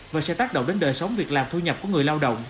và sẽ tác động đến đời sống việc làm thu nhập của người